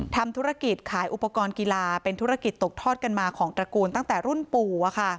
ทำธุรกิจขายอุปกรณ์กีฬาเป็นธุรกิจตกทอดกันมาของตระกูลตั้งแต่รุ่นปู่